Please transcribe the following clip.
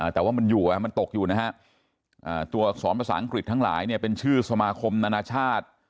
แต่ว่ามันอยู่มันตกอยู่นะฮะตัวอักษรภาษาอังกฤษทั้งหลายเนี่ยเป็นชื่อสมาคมนานาชาติ